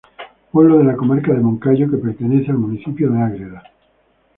Pueblo de la Comarca del Moncayo que pertenece al municipio de Ágreda.